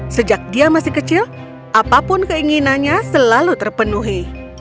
sejak dia masih kecil apapun keinginannya selalu terpenuhi